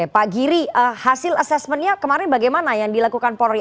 pak giri hasil asesmennya kemarin bagaimana yang dilakukan polri